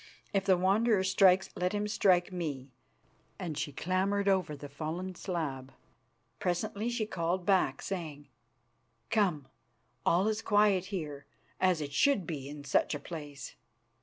If the Wanderer strikes, let him strike me," and she clambered over the fallen slab. Presently she called back, saying: "Come; all is quiet here, as it should be in such a place."